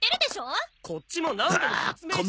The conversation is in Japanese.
こっちも何度も説明してるよ！